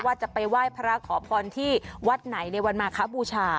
จะไปไหว้พระขอพรที่วัดไหนในวันมาคบูชา